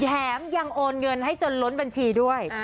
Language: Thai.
แถมยังโอนเงินให้จนล้นบัญชีด้วย